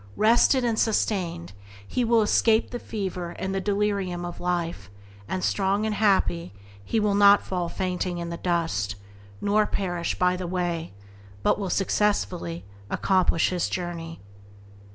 Rested and sustained, he will escape the fever and the delirium of life, and, strong and happy, he will not fall fainting in the dust, nor perish by the way, but will successfully accomplish his journey.